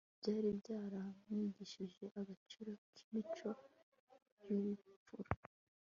byari byaramwigishije agaciro k'imico y'ubupfura